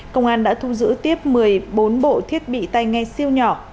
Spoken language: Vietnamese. công an đã thu giữ tiếp một mươi bốn bộ thiết bị tay nghe siêu nhỏ